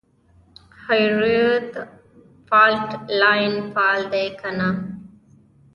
هریرود فالټ لاین فعال دی که نه؟